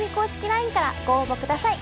ＬＩＮＥからご応募ください。